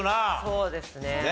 そうですね。